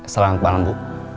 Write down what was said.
selamat malam bu